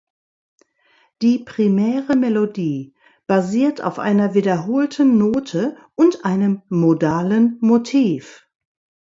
Die primäre Melodie basiert auf einer wiederholten Note und einem modalen Motiv.